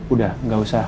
udah nggak usah